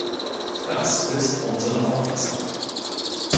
Das ist unsere Auffassung.